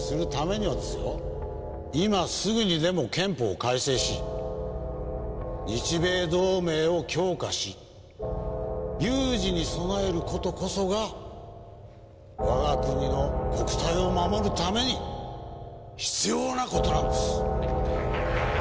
今すぐにでも憲法を改正し日米同盟を強化し有事に備える事こそが我が国の国体を守るために必要な事なんです。